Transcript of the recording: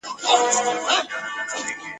ځای پر ځای به وي ولاړ سر به یې ښوري ..